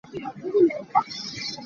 Hmunphiah in ṭuang a phiah.